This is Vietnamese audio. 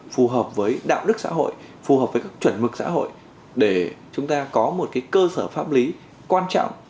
phù hợp với đạo đức xã hội phù hợp với các chuẩn mực xã hội để chúng ta có một cơ sở pháp lý quan trọng